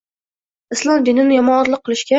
Islom dinini yomonotliq qilishga